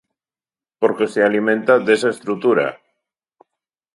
Porque se alimenta desa estrutura.